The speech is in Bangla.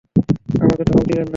আমাকে ধমক দিবেন না।